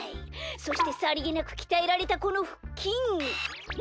そしてさりげなくきたえられたこのふっきん。